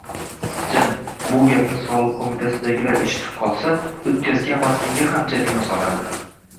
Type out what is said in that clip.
Jim!!! Bu gapingni Soliq qo'mitasidagilar eshitib qolsa, o'tkazgan vaqtingga ham jarima soladi!